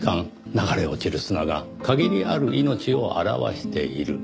流れ落ちる砂が限りある命を表している。